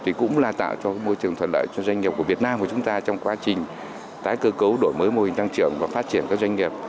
thì cũng là tạo cho môi trường thuận lợi cho doanh nghiệp của việt nam của chúng ta trong quá trình tái cơ cấu đổi mới mô hình tăng trưởng và phát triển các doanh nghiệp